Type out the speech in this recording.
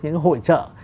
những hội trợ